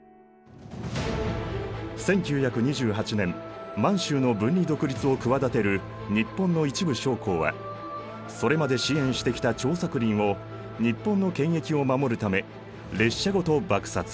１９２８年満洲の分離独立を企てる日本の一部将校はそれまで支援してきた張作霖を日本の権益を守るため列車ごと爆殺。